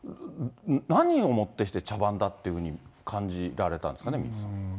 何をもってして茶番だっていうふうに感じられたんですかね、皆さん。